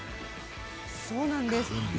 そうなんです。